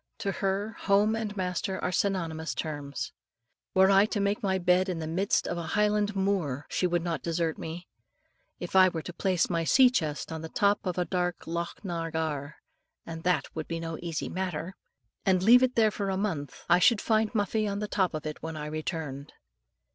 To her, home and master are synonymous terms. Were I to make my bed in the midst of a highland moor, she would not desert me. If I were to place my sea chest on the top of dark Loch na gar, and that would be no easy matter, and leave it there for a month, I should find Muffie on the top of it when I returned.